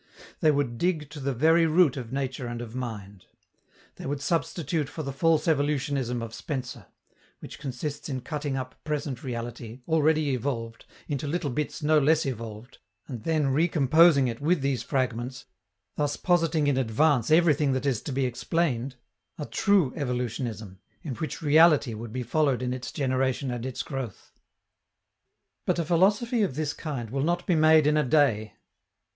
They would dig to the very root of nature and of mind. They would substitute for the false evolutionism of Spencer which consists in cutting up present reality, already evolved, into little bits no less evolved, and then recomposing it with these fragments, thus positing in advance everything that is to be explained a true evolutionism, in which reality would be followed in its generation and its growth. But a philosophy of this kind will not be made in a day.